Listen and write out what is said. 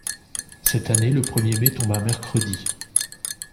Cette année, le premier mai tombe un mercredi.